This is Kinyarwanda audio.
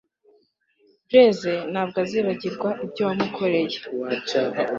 blaisse ntabwo azibagirwa ibyo wamukoreye